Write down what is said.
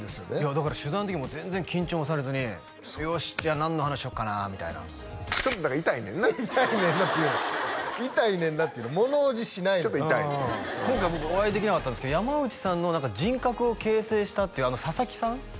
だから取材の時も全然緊張もされずによしじゃあ何の話しよっかなみたいなちょっとだからイタいねんなイタいねんなって言うなイタいねんなって言うな物怖じしないの今回僕お会いできなかったんですけど山内さんの何か人格を形成したっていう佐々木さん